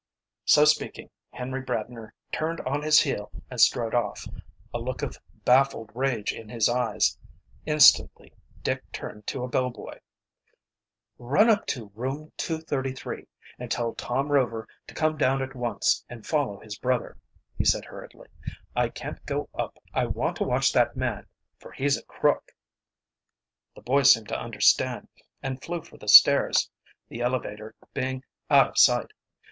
So speaking, Henry Bradner turned on his heel and strode off, a look of baffled rage in his eyes. Instantly Dick turned to a bell boy. "Run up to room 233 and tell Tom Rover to come down at once and follow his brother," he said hurriedly. "I can't go up I want to watch that man, for he's a crook." The boy seemed to understand, and flew for the stairs, the elevator being out of sight.